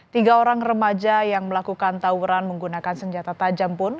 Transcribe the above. tiga orang remaja yang melakukan tawuran menggunakan senjata tajam pun